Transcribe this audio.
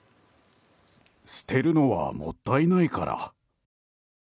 捨てるのはもったいないから。